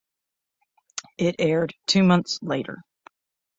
It aired two months later.